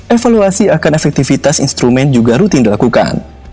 evaluasi akan efektivitas instrumen juga rutin dilakukan